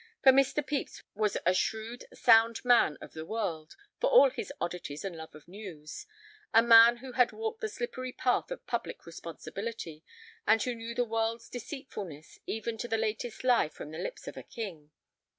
For Mr. Pepys was a shrewd, sound man of the world, for all his oddities and love of news—a man who had walked the slippery path of public responsibility, and who knew the world's deceitfulness, even to the latest lie from the lips of a king.